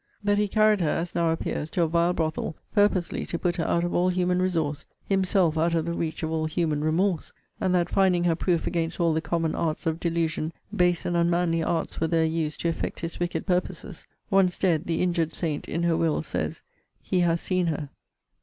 That he carried her, as now appears, to a vile brothel, purposely to put her out of all human resource; himself out of the reach of all human remorse: and that, finding her proof against all the common arts of delusion, base and unmanly arts were there used to effect his wicked purposes. Once dead, the injured saint, in her will, says, he has seen her.